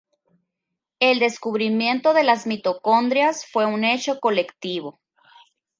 El descubrimiento de las mitocondrias fue un hecho colectivo.